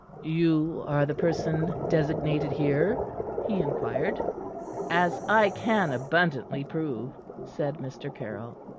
"You are the person designated here?" he inquired. "As I can abundantly prove," said Mr. Caryll.